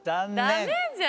ダメじゃん。